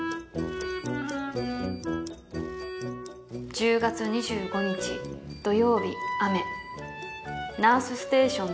「１０月２５日土曜日雨ナースステーションで」